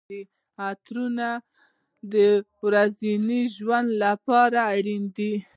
عطرونه د ورځني ژوند لپاره اړین دي.